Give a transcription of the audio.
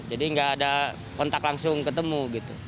jadi gak ada kontak langsung ketemu gitu